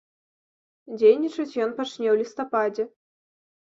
Дзейнічаць ён пачне ў лістападзе.